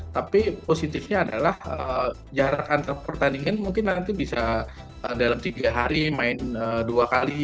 tapi positifnya adalah jarak antar pertandingan mungkin nanti bisa dalam tiga hari main dua kali